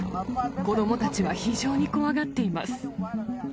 子どもたちは非常に怖がっています。